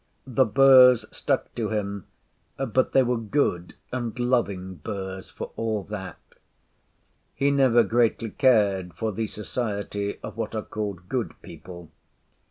The burrs stuck to him—but they were gbod and loving burrs for all that. He never greatly cared for the society of what are called good people.